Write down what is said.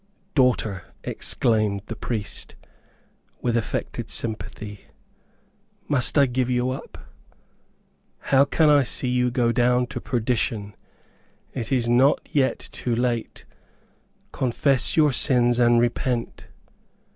"Daughter," exclaimed the priest, with affected sympathy, "must I give you up? How can I see you go down to perdition? It is not yet too late. Confess your sins and repent."